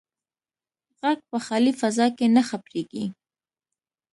غږ په خالي فضا کې نه خپرېږي.